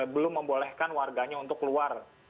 belum membolehkan warganya untuk keluar